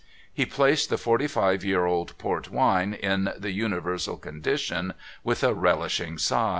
He placed the forty five year old port wine in the universal condition, with a relishing sigh.